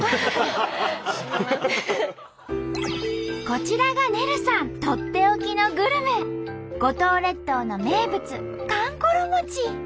こちらがねるさんとっておきのグルメ五島列島の名物